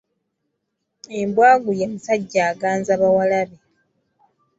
Embwagu ye musajja aganza bawalabe.